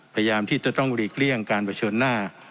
พยายามที่จะต้องหลีกเลี่ยงการเผชิญหน้า